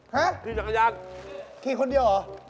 ฮะขี่จักรยานขี่คนเดียวเหรอ